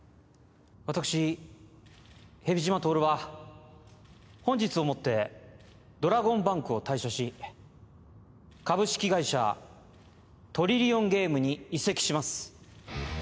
私蛇島透は本日をもってドラゴンバンクを退社し株式会社トリリオンゲームに移籍します